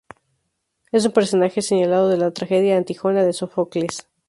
Es un personaje señalado de la tragedia "Antígona", de Sófocles.